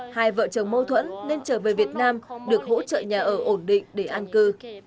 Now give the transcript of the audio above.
hai vợ chồng mâu thuẫn nên trở về việt nam được hỗ trợ nhà ở ổn định để an cư